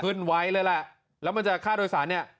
ไว้เลยแหละแล้วมันจะค่าโดยสารเนี่ย